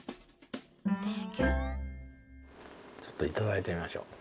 ちょっと頂いてみましょう。